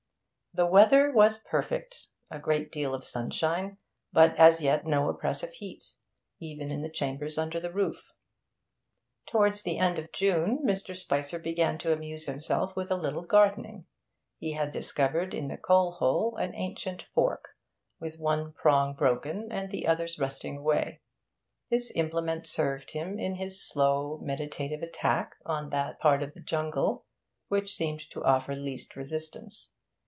The weather was perfect; a great deal of sunshine, but as yet no oppressive heat, even in the chambers under the roof. Towards the end of June Mr. Spicer began to amuse himself with a little gardening. He had discovered in the coal hole an ancient fork, with one prong broken and the others rusting away. This implement served him in his slow, meditative attack on that part of the jungle which seemed to offer least resistance.